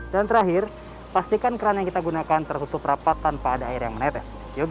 dan terakhir pastikan kran yang kita gunakan terutup rapat tanpa ada air yang masuk